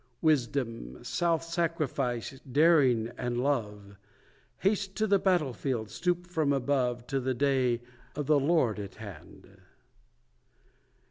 Wisdom, Self Sacrifice, Daring, and Love, Haste to the battle field, stoop from above, To the Day of the Lord at hand.